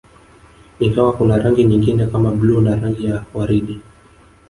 Ingawa kuna rangi nyingine kama bluu na rangi ya waridi